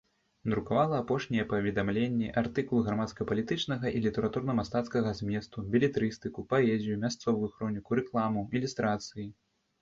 Друкавала апошнія паведамленні, артыкулы грамадска-палітычнага і літаратурна-мастацкага зместу, белетрыстыку, паэзію, мясцовую хроніку, рэкламу, ілюстрацыі.